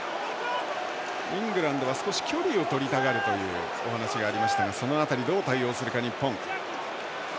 イングランドは少し距離をとりたがるというお話がありましたがその辺り、どう対応するか日本。